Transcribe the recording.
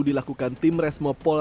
diedarkan ke masyarakat